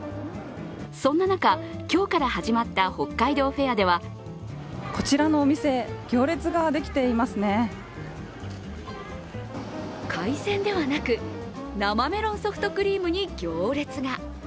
そんな中、今日から始まった北海道フェアでは海鮮ではなく、生メロンソフトクリームに行列が。